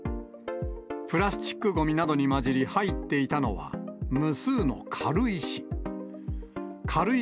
プラスチックごみなどに混じり、入っていたのは無数の軽石。